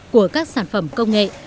của các sản phẩm công nghệ